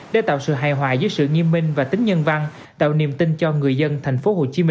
để tạo sự hài hòa giữa sự nghiêm minh và tính nhân văn tạo niềm tin cho người dân tp hcm